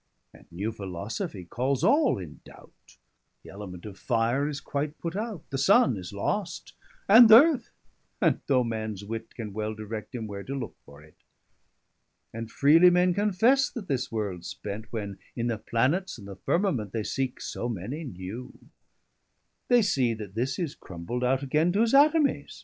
And new Philosophy calls all in doubt, 205 The Element of fire is quite put out; The Sun is lost, and th'earth, and no mans wit Can well direct him where to looke for it. And freely men confesse that this world's spent, When in the Planets, and the Firmament 210 They seeke so many new; they see that this Is crumbled out againe to his Atomies.